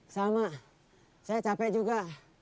sama saya capek juga